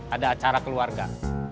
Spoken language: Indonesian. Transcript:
ada acara keluarga